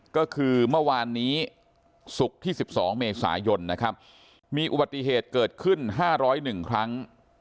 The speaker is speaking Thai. ก็คือเมื่อวานนี้ศุกร์ที่๑๒เมษายนนะครับมีอุบัติเหตุเกิดขึ้น๕๐๑ครั้ง